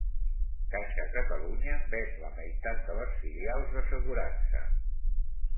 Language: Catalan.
Caixa Catalunya ven la meitat de les filials d'assegurança.